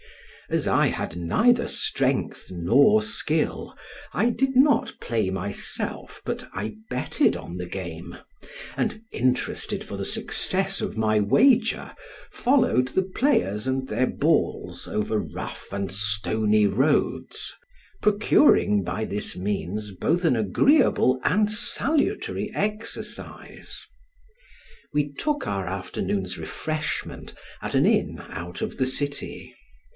As I had neither strength nor skill, I did not play myself but I betted on the game, and, interested for the success of my wager, followed the players and their balls over rough and stony roads, procuring by this means both an agreeable and salutary exercise. We took our afternoon's refreshment at an inn out of the city.